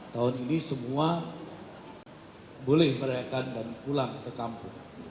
tahun ini semua boleh merayakan dan pulang ke kampung